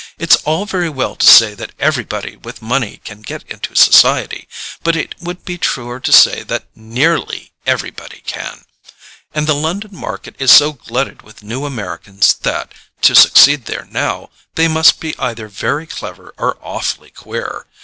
"It's all very well to say that every body with money can get into society; but it would be truer to say that NEARLY everybody can. And the London market is so glutted with new Americans that, to succeed there now, they must be either very clever or awfully queer.